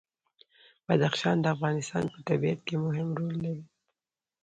بدخشان د افغانستان په طبیعت کې مهم رول لري.